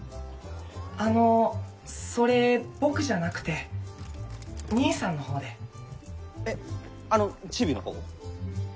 あのそれ僕じゃなくて兄さんの方でえっあのチビの方？